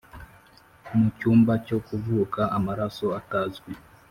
mucyumba cyo kuvuka amaraso atazwi